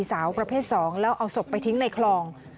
สาวประเภท๒แล้วเอาศพไปทิ้งในคลอง